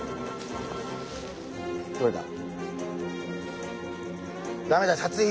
どれだ？